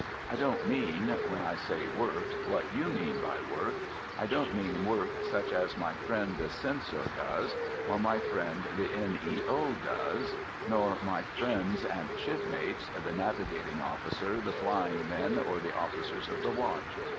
I don't mean, when I say "work," what you mean by work. I don't mean work such as my friend the Censor does, or my friend the N.E.O. does, nor my friends and shipmates, the navigating officer, the flying men, or the officers of the watch.